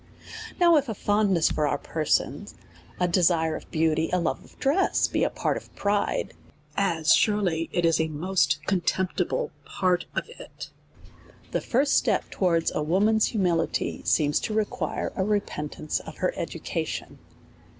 Now if our fondness for our persons, a desire of beauty, a love of dress, be a part of pride (as surely it is a most contemptible part of it), the first step to wards a woman's humihty seems to require a repen tance of her education.